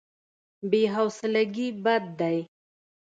بې حوصلګي بد دی.